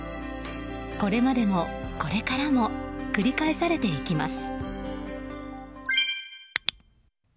これまでも、これからも繰り返されていきます。